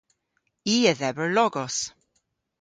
I a dheber logos.